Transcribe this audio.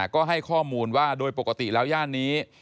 ก็ให้ข้อมูลว่าโดยปกติแล้วย่านนี้